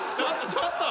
ちょっと！